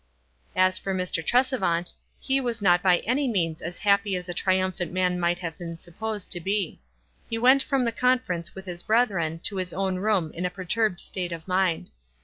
As for Mr. Tresevant, he was not by any means as happy as a triumphant man might have been supposed to be. He went from the con ference with his brethren to his own room in a perturbed state of mind.